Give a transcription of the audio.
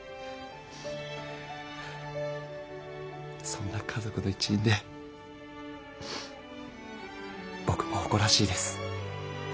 そんな家族の一員で僕も誇らしいです。